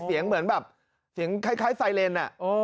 เสียงเหมือนแบบเสียงคล้ายไซเลน